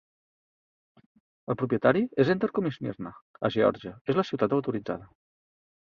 El propietari és Entercom i Smyrna, a Georgia, és la ciutat autoritzada.